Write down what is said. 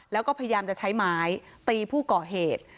แล้วก็พยายามจะใช้ไม้ตีผู้ก่อเหตุ